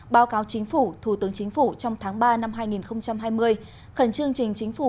báo cáo chính phủ thủ tướng chính phủ trong tháng ba năm hai nghìn hai mươi khẩn trương trình chính phủ